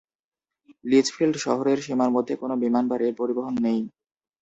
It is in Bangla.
লিচফিল্ড শহরের সীমার মধ্যে কোন বিমান বা রেল পরিবহন নেই।